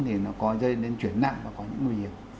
thì nó có dây nên chuyển nặng và có những nguy hiểm